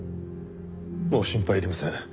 「もう心配いりません」。